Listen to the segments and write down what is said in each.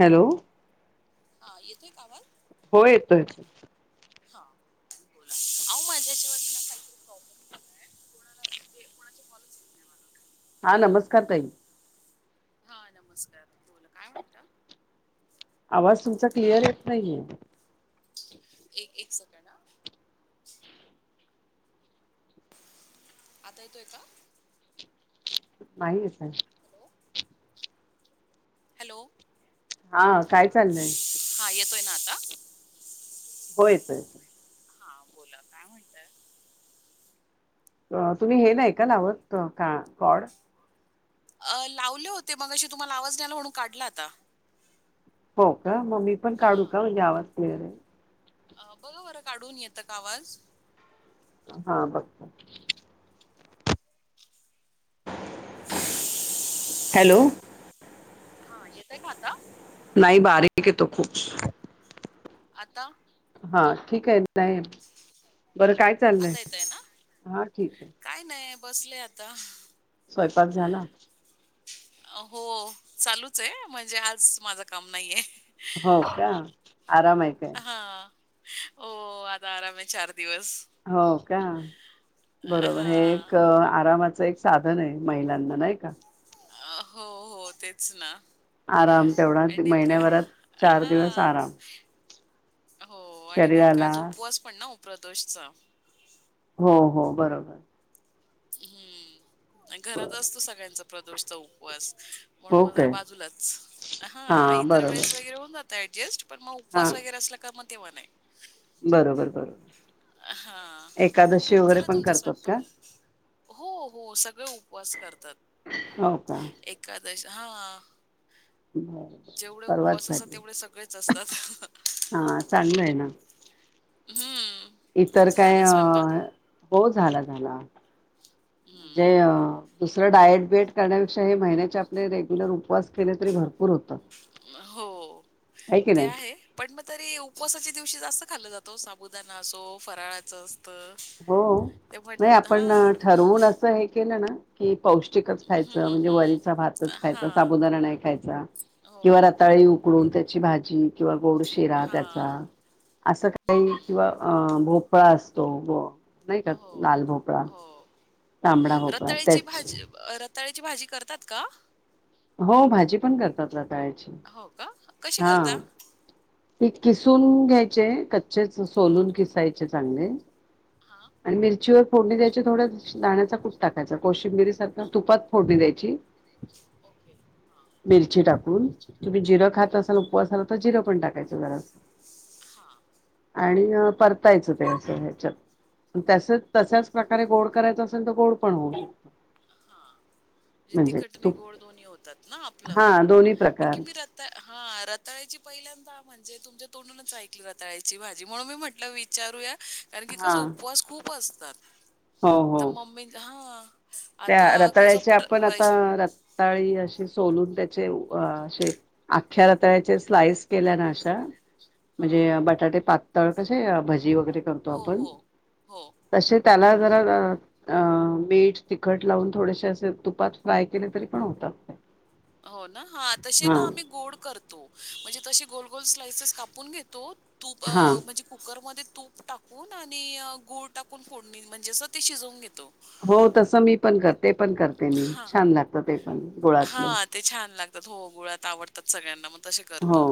Hello. हा येतोय का आवाज? हो येतो येतोय. हं बोला, आहो माझ्या हेच्यावरण न काहीतरी प्रॉब्लेम झालायं कोणाला म्हणजे कोणाचे काँलच येते नाही मला. हा नमस्कार ताई. हां नमस्कार बोला काय म्हणता? आवाज तुमचा क्लिअर येत नाहीये. ए एक सेकंड हां. आता येतोय का? नाही येतंय. Hello hello. हां काय चाललंय? हां येतोय ना आता? हो येतो येतोय. हां बोला काय म्हणताय? अ तुम्ही हे नाही का लावत का कॉड? अ लावले होते मगाशी तुम्हाला आवाज नाही आला म्हणून काढल आता. हो का म मी पण काढू हा का? म्हणजे आवाज क्लिअर येईल. अ बघा बरं काढून येतं का आवाज. हा बघते. हॅलो. हा येतोय का आता? नाही बारीक येतो खूप आता हा ठीक आहे नाही बरं काय चाललंय आता येतोय ना हा ठीक आहे काय नाही बसले आता स्वयंपाक झाला? हो चालूच आहे म्हणजे आज माझं काम नाहीये. हो का आराम आहे काय? हां. हो आता आराम आहे चार दिवस हो का अ, बरोबर हे एक हां. आरामाच एक साधन आहे महिलांना नाही का हो हो तेच ना आराम तेवढा आणि नेमका महिन्याभरात चार हा दिवस आराम हो आणि नेमका शरीराला आज उपवास पण ना उप्रदोषचा हो हो बरोबर हम्म घरात असतो सगळ्यांचा प्रदोषचा उपवास म्हणून मग ओके जरा बाजूलाच हा इतर वेळेस वगैरे होऊन जात ऍडजस्ट पण मग हा उपवास वगैरे असला का मग तेव्हा नाही. बरोबर बरोबर हा एकादशी वगैरे झालं पण तुमचा करतात का स्वयंपाक? हो हो सगळे उपवास करतात. हो का एकादशी हा बरोबर जेवढे उपवास परवाच असतात तेवढे सगळेच असतात. हां चांगलं आहे ना हम्म इतर काय अ हो झाला झाला म्हणजे हं. अ दुसरं डाएट बेट करण्यापेक्षा हे महिन्याचे आपले रेग्युलर उपवास केले तरी भरपूर होतं हो की ते नाही आहे. पण मग तरी उपवासाच्या दिवशी जास्त खाल्ल जातो साबुदाणा असो फराळाचं असतं. हो ते म्हण नाही आपण हां. ठरवून असं हे केलं ना की पौष्टिक पौष्टिककच हं, खायचं हं, म्हणजे हं. वरीचा भातच खायचं हां. साबुदा नाही खायचा किंवा हो. रताळी उकडून त्याची भाजी किंवा गोड शिरा त्याचा हां. असं काही हं. किंवा अ भोपळा असतो व नाही का हो. लाल भोपळा हो. तांबडा भोपळा रताळीची त्याच भाजी रताळीची भाजी करतात का? हो भाजी पण करतात रताळाची हो का कशी हा करता? ते किसून घ्यायचे कच्चेच सोलून खिसायचे चठे चांणे [unintelligible] हा आणि मिरचीवर फोडणी द्यायची थोड्या दाण्याचा टाकायचा कोशिंबिरी सारख्या तुपात फोडणी द्यायची. ओके. हां. मिरची टाकून तुम्ही जिरं खात असेल. हां. टा [unintelligible] परतायच ते अस ह्याच्यात ओके. तशच प्रकारे गोड करायच असेल तर गोड पण होऊ हा म्हणजे म्हणजे तिखटणी तूप गोड दोन्ही होतात ना आपलं हा दोन्ही आणखी प्रकार मी हा रताळाची पहिल्यांदा म्हणजे तुमच्या तोंडूनच ऐकली रातताळायची भाजी म्हणून मी म्हटलं वि विचारूया कारण की हा कसं उपवास खूप असतात हो तर हो मम्मी हा आता त्या कसं रताळ्याचे पर आपण आता वैश रताळी असशी सोलून त्याचे अे अख्ख्या रतळ्याचे स्लाईस केल्या ना अशा हा म्हणजे बटाटे पातळ कसे भजी वगैरे करतो हो आपण हो हो तसे त्याला जरा मीड तिखट लावून थोडेसे असे तुपात फ्राय केले तरी पण होतात नाही हो ना हा तसे ना आम्ही गोड करतो [inaudible] हा कुकरमध्ये तूप टाकून आणि गूळ टाकून फोडणी म्हणजे अस ते शिजवून घेतो हो तसं मी पण करते पण करते मी हा छान लागत ते पण गुळातले हां, ते छान लागतात हो गुळात आवडतात सगळ्यांना मग तसे हो करतो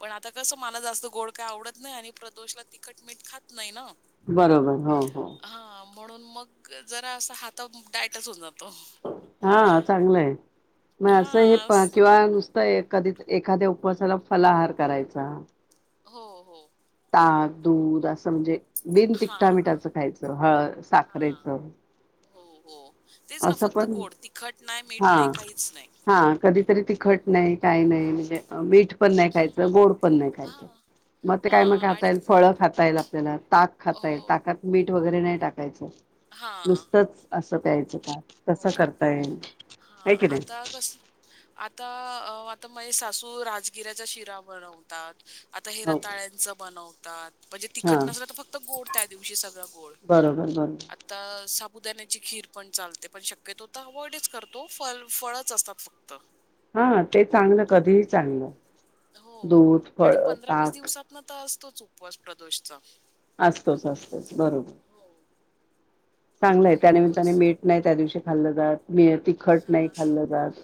पण आता कसं मला जास्त गोड काय आवडत नाही आणि प्रदोषला तिखट मीठ खात नाही ना बरोबर हो हो हा म्हणून मग जरा असा हात डायटच होऊन जातो हा चांगलं आहे मग असं हे हां, प स किंवा नुसत कधीच एखाद्या उपवासाला फलाहार करायचा हो हो ताप दूध असं म्हणजे बिन तिखटा हां, मिठाचं खायच हळ साखरेचं हां. हो हो तेच ना अस फक्त पण गोड. तिखट नाही, मीठ हा नाही, काहीच नाही. हा कधीतरी ती खट नाही काही नाही म्हणजे मीठ पण नाही खायचं हं. गोड पण नाही खायचं हां, मग ते काय मग हां खाता आणि येईल फळ खातायला त्याला ताक खाता येईल हो. ताकात मीठ वगैरे नाही टाकायचं हां, नुसतंच असं प्यायचं कसं करताय काय कि नाही कागस आता अ आता मा सासू राजगिऱ्याच्या शिरा बनवून आता हो हेिरताळ्यांच बनतात म्हणजे तिखट हा नसलं तर फक्त गोड त्या दिवशी सगळं गोड बरोबर बरोबर आ साबुदाण्याची खीर पण चालते आपण शक्यतो तर अवॉइडच करतो फ फळच असतात फक्त हा ते चांगलं कधीही चांगलं दूध फळ ताक ता असतोच उपवास प्रदोषचा असतोच असतोच बरोबर हो. मग चांगलंय तेवढा एक त्यानमित्ताने दिवस मीठ नाही त्या दिवशी खाल्लं जात मीठ तिखट नाही हां. खाल्लं जात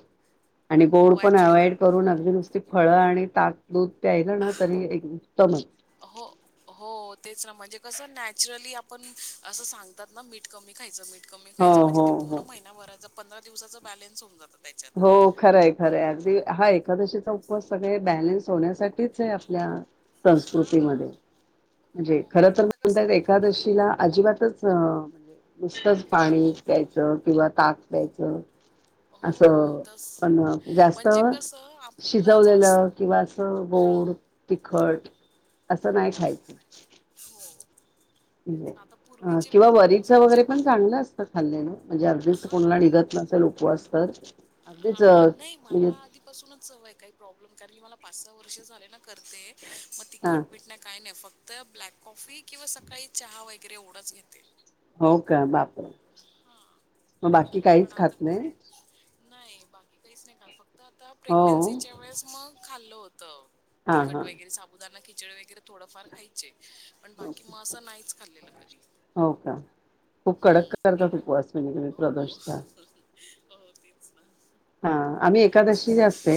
आणि गोड हो पण ॲक्च्युली अवायड करून अगदी नुसती फळं आणि ताक दूध प्याय ग ना तरी एक उत्तम आहे हो हो तेच ना म्हणजे कसं नॅचरली आपण असं सांगतात ना मीठ कमी खायचं मीठ कमी हो खायचं म्हणजे हो ते पूण हो महिनाभरा पंरा दिवसा बॅन्स होन जात त्या हो खरंय खरंय अगदी हा एकादशीचा उपवास सगळे बॅलन्स होण्यासाठीच आहे आपल्या संस्कृतीमध्ये हां. म्हणजे हो. खर पण तर आता कसं म्हणत पूर्वी एकादशीला अजिबातच म्हणजे नुसतंच पाणी हं. प्यायचं किंवा ताक द्यायचं हो. असं तसं पण जास्त म्हणजे कसं आपलं जास्त शिजवलेलं किंवा असं हां. गोड तिखट अस हं, नाही हं. खायच. [inaudible] हो तेच ना. [unintelligible] आता अ पूर्वीचे किंवा लोकं पण वरीच असं म्हणजे वगैरे पण माझं चांगलं असतं खाल्ल्याने म्हणजे अ [unintelligible] अगदीच हां. कोणाला निघत नसेल उपवास तर अगदीच म्हणजे पासूनच हवंय काही प्रॉब्लेम कारण की मला पाच सहा वर्ष झाले ना करते मग हा तिखटपीठ नाही काय नाही फक्त ब्लॅक कॉफी किंवा सकाळी चहा वगैरे एवढंच घेते हो का बापर हा तो बाकी काहीच खात नाही. नाही बाकी काहीच नाही खात फक्त आता हो प्रेग्नेन्सीच्या वेळेस मग खाल्लं होतं. हा तिखट हा वैगेरे साबुदाना खिचड वैगेरे थोडंफार खायचे. पण हो बाकी म असं नाहीच खाल्लेलं कधी. हो का खूप कडक हं. करतात उपवास हो. प्रदोषता हो तेच ना हा आम्ही एकादशी असते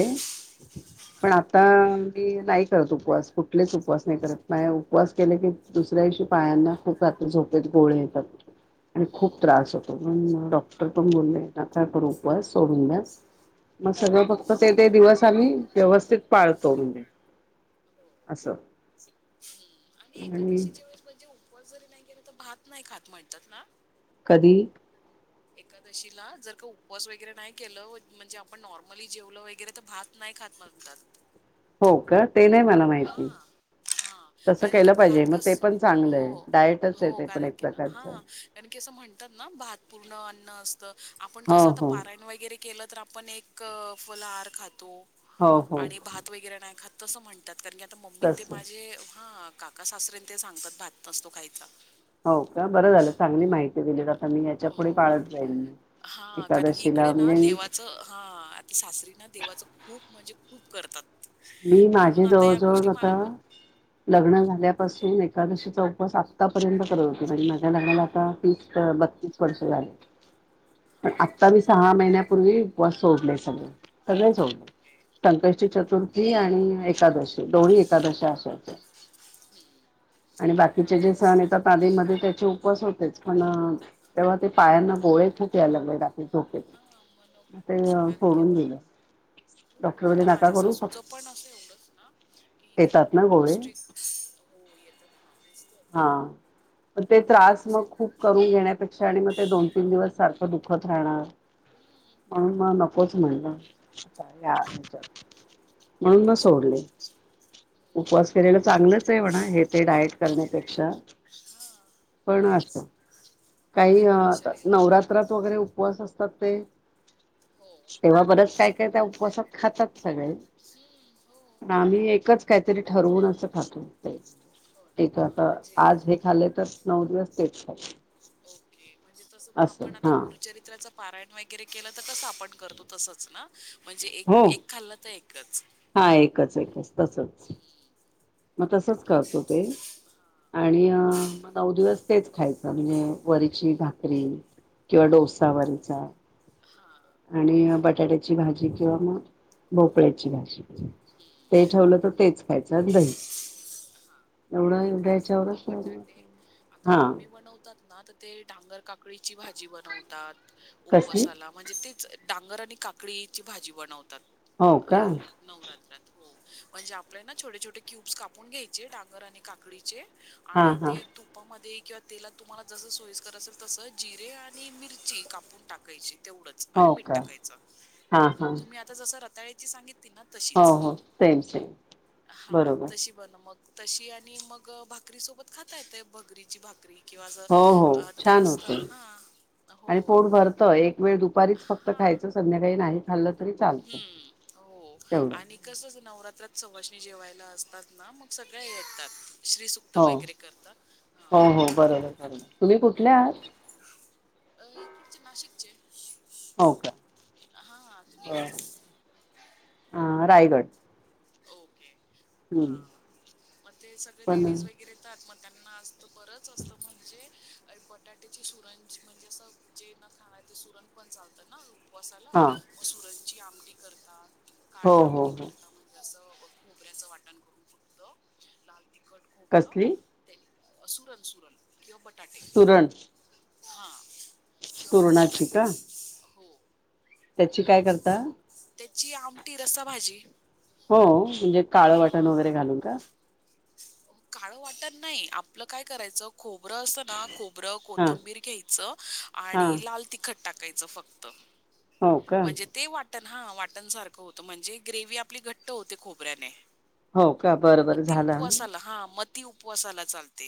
हां, हां. पण आता मी [unintelligible] [unintelligible] उपवास कुठलेच उपवास नाही करत नाही उपवास केले की दुसऱ्या दिवशी पायांना खूप रात्री झोपेत गोळे येतात आणि खूप हं. त्रास होतो पण डॉक्टर हां, पण बोलले नका करू उपवास सोडून द्या मग हां. सगळं फक्त ते ते दिवस आम्ही व्यवस्थित पाळतो [unintelligible] हो. अस मी एकादशीच्या वेळेस म्हणजे उपवास जरी नाही केला तर भात नाही खात म्हणतात ना कदी एकादशीला जर का उपवास वगैरे नाही केलं व म्हणजे आपण नॉर्मली जेवलं वगैरे तर भात नाई खात म्हणतात हो का ते नाही मला माहिती. हा तसं कारण की केलं पाहिजे भात मग कस ते पण चांगलं आहे डायटच आहे हो-हो ते पण कारण एक की ना हा प्रकारचं कारण की असं म्हणतात ना भात पुर्ण अन्न असतं आपण हो कसं आता हो पारायण वैगेरे केलं तर आपण एक फलहार खातो हो हो आणि भात वैगेरे नाही खात अस म्हण कारण की आता मम्मी न ते तस माझे हा काका सासरे न ते सांगत भात नसतो खायचा हो का बर झालं चांगली माहिती दिली. मी याच्या पुढे हो पाळत जाईन हा कारण की एकादशीला इकडे ना म्हणजे मी देवाच हा सासरी ना देवाच खुप म्हणजे खुप करतात. मी म्हणून माझी आता जवळ- या गोष्टी जवळ मला [unintelligible] पण लग्न झाल्यापासून एकादशीचा उपवास आत्तापर्यंत करत होते म्हणजे माझ्या लग्नाला आता तीस [unintelligible] तीस वर्ष झाले पण हां. आत्ता मी सहा महिन्यापूर्वी उपवास सोडले सगळे. [unintelligible] ओह, ओके. संकष्टी हां, चतुर्थी आणि एकादशी दोन्ही एकादशा [unintelligible] [inaudible] हम्म आणि बाकीचे जे सण येतात. आदी मध्ये त्याचे उपवास होतेच पण तेव्हा ते पायांना गोळे खुप [unintelligible] हा मग नको अस कारण की आता दिलं हो डॉक्टर आता म्हणाले नका माझ्या करू सासूचं फक्त पण असं एवढंच की त्या पण येतात ना एवढं गोळे स्ट्रेस हो येतात ना. तेच तर. हा मग ते कारण की आता त्रास कसं मग खूप करून घेण्यापेक्षा आणि मग ते दोन तीन दिवस सारखं दुखत राहणार हं. म्हणून मग नकोच म्हणल. या हो. [inaudible] म्हणूनच तेच ना. सोडले तर हं. उपवास केलेला चांगलंच आहे म्हणा हे ते डायट करण्यापेक्षा [unintelligible] हां. पण अस तेच. काही नाही पण आता शरीराला नवरात्र [unintelligible] वगैरे उपवास असतात ते हो तेव्हा बरच स काय- काय त्या उपवासात खातात सगळे हम्म हो प आम्ही एकच काहीतरी ठरवून असं खातू ते हो ना ठीक आहे हा तर म्हणजे आज हे खाल्ले तर नऊ दिवस तेच खा ओके म्हणजे तस मग आपण आता हा गुरुचरित्राचा पारायण वैगेरे केलं तर कस आपण करतो तसच ना म्हणजे हो एक खाल्लं तर एकच हा एकच-एकच तसच हम्म. मग तसच कारण की करतो ते इकडे हा आणि अ नऊ दिवस तेच खायचं म्हणजे वरीची हम्म भाकरी किंवा हो डोसा वरीचा हा [unintelligible] आणि बटाट्याची भाजी किंवा मग हो भोपळ्याची भाज हम्म ते ठेवलं तर तेच खायचं लही ह नाही इकडे फक्त बटाटे आता हा ममी तात ना तेडांर काकडीची भाजी बनवतात कसली उपसाला म्हणजे तेच डांगर आणि काकळीची भाजी बनवतात हो का याला नवरात्रात हो म्हणजे आपल्या ना छोटे छोटे क्यूब्स कापून घ्यायचे डगर आणि काकडीचे हा आणि हा ते त तपामध्ये किंवा तेलात तुम्हाला जस सोय करत असेल तस जिरे आणि मिरची कापून टाकायची तेवढंच आणि हो मीठ का टाकायच हा हा तुम्ही आता जस रताळ्याची सांगितली ना हो हो सेम सेम हा बरोबर बण मग तशी आणि मग भाकरी सोबत खाता येत भगरीची भाकरी किंवा असं हो हो अ, ते छान होत असतं हां, आणि हो. पोन भरतं एक वेळ दुपारीच फक्त हां, खायचं संध्याकाळी नाही खाल्लं तरी चालतं तेवढं स नवरात्रात सणी जेवायला असतात ना मग सगळ यात श्री हो हो हो बरो ब तुम्ही कुठले हं. आहात अ इकडचे नाशिकचे का हा हो अ रायगड ओके ह हम्म मग ते सगळे पण लेडीज व र येतात मग त्यांना आजत बरंच असतं म्हणजे बटाट्याची सुरण म्हणजे असं जे न खाणार ते सुरण पण चालतं ना उपवासाला हा सुरणची आमटी करतात हो काळी हो आमटी हो करत म्हण म्हजे असं खोबऱ्याचं वाटण करून फक्त लाल तिखट खोबरं कसली? ते सुरन सुरन किंवा बटाटे तरण हा किंवा मग बटाटे का हो त्याची काय करता मग त्याची आमटी रसाभाजी हो म्हणजे काळं वाटण वगैरे घालून का काळं वाटत नाही आपलं काय करायचं खोबरं असतं ना खोबरं हा कोथंबीर घ्यायचं हा आणि लाल तिखट टाकाच फक्त हो का म्हणजे ते वा वाट हा वाटण सारखं होतं म्हणजे ग्रेव आपली घट्ट होते खोबऱ्याने हो का बरोबर झालं हा मती उपवासाला चालते